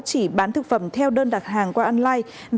chỉ bán thực phẩm theo đơn đặt hàng qua online